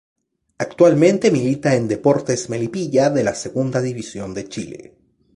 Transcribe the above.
Actualmente milita en Deportes Melipilla de la Segunda División de Chile.